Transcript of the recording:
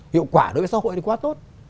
hiệu quả đối với xã hội thì quá tốt